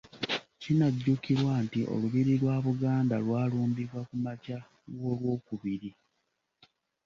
Kinajjukirwa nti Olubiri lwa Buganda lwalumbibwa ku makya g’Olwokubiri.